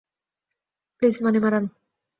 Please, Manimaran.